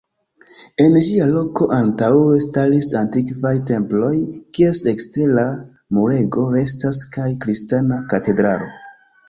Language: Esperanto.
En ĝia loko antaŭe staris antikvaj temploj, kies ekstera murego restas, kaj kristana katedralo.